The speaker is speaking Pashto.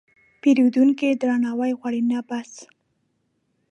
پیرودونکی درناوی غواړي، نه بحث.